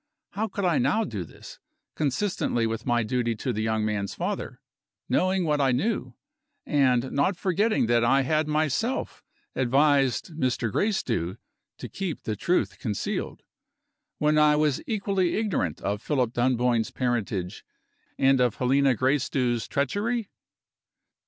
How could I now do this, consistently with my duty to the young man's father; knowing what I knew, and not forgetting that I had myself advised Mr. Gracedieu to keep the truth concealed, when I was equally ignorant of Philip Dunboyne's parentage and of Helena Gracedieu's treachery?